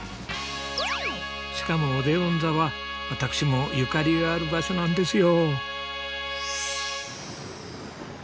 しかもオデオン座は私もゆかりがある場所なんですよ。